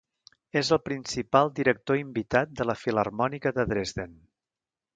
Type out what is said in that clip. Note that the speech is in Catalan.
És el principal director invitat de la Filharmònica de Dresden.